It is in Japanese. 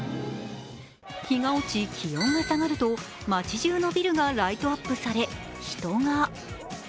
日が落ち気温が下がると街じゅうのビルがライトアップされ、人が。